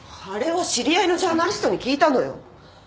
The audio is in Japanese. あれは知り合いのジャーナリストに聞いたのよ。